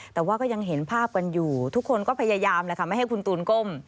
แต่ว่าก็ยังเห็นภาพกันอยู่ทุกคนก็พยายามแหละค่ะไม่ให้คุณตูนก้ม